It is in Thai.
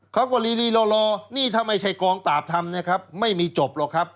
เขาก็ลีรีรอนี่ทำไมใช่กรองปราบทำไม่มีจบหรอกครับ